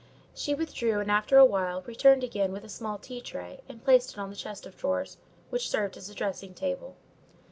She withdrew; and, after a while, returned again with a small tea tray, and placed it on the chest of drawers, which served as a dressing table.